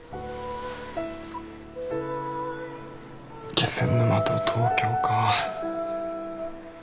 気仙沼と東京か。